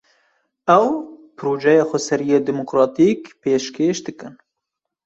Ew, projeya xweseriya demokratîk pêşkêş dikin